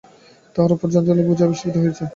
তাহার উপর অনেক জঞ্জালের বোঝা স্তূপীকৃত হইয়াছে।